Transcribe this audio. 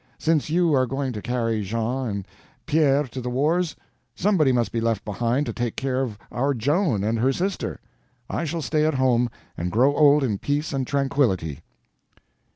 Since you are going to carry Jean and Pierre to the wars, somebody must be left behind to take care of our Joan and her sister. I shall stay at home, and grow old in peace and tranquillity."